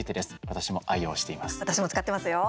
私も使ってますよ。